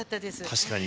確かに。